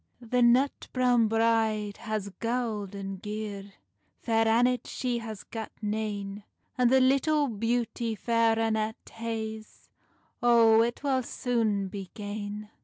"The nut browne bride haes gowd and gear, Fair Annet she has gat nane; And the little beauty Fair Annet haes O it wull soon be gane."